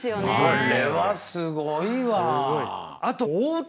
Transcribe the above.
あれはすごいわ。